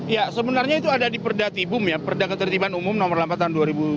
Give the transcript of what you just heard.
ya sebenarnya itu ada di perdatibum ya perda ketertiban umum nomor lampatan dua ribu tujuh